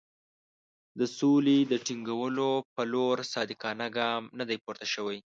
د سولې د ټینګولو پر لور صادقانه ګام نه دی پورته شوی.